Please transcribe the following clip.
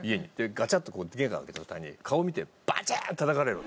ガチャッとこうやって玄関を開けた途端に顔を見てバチッてたたかれるわけ。